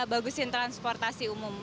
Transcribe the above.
bagusin transportasi umum